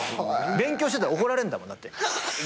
勉強してたら怒られるんだもんだって。